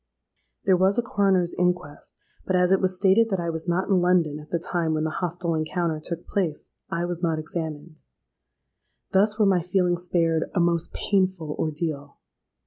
"There was a coroner's inquest; but, as it was stated that I was not in London at the time when the hostile encounter took place, I was not examined. Thus were my feelings spared a most painful ordeal!